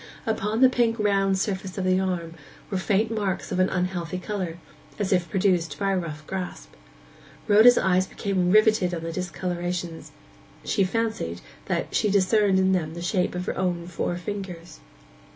Upon the pink round surface of the arm were faint marks of an unhealthy colour, as if produced by a rough grasp. Rhoda's eyes became riveted on the discolorations; she fancied that she discerned in them the shape of her own four fingers.